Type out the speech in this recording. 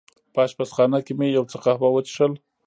په اشپزخانه کې مې یو څه قهوه وڅېښل.